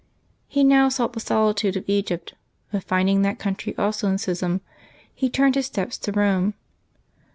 He now sought the solitude of Egypt, but finding that country also in schism, he turned his steps to Rome.